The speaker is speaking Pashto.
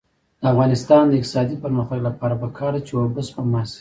د افغانستان د اقتصادي پرمختګ لپاره پکار ده چې اوبه سپما شي.